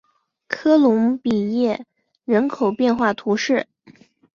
科隆比耶人口变化图示